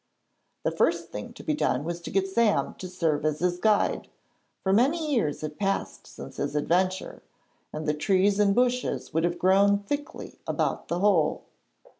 The first thing to be done was to get Sam to serve as his guide, for many years had passed since his adventure, and the trees and bushes would have grown thickly about the hole.